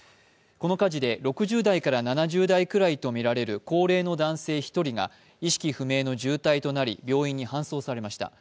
この家事で６０代から７０代くらいとみられる高齢の男性１人が意識不明の重体となり病院に搬送されました。